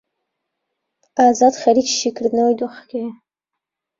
ئازاد خەریکی شیکردنەوەی دۆخەکەیە.